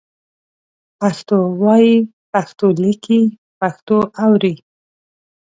پښتو وایئ، پښتو لیکئ، پښتو اورئ